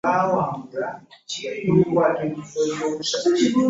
Baakukola ekisoboka okumalawo obumulumulu.